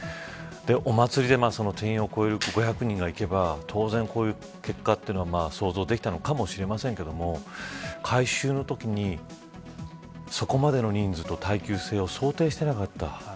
お祭りで定員を超える５００人が行けば当然、こういう結果は想像できたかもしれませんが改修のときにそこまでの人数と耐久性を想定していなかった。